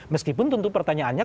meskipun tentu pertanyaannya